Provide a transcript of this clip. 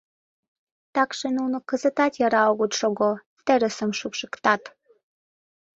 Такше нуно кызытат яра огыт шого, терысым шупшыктат...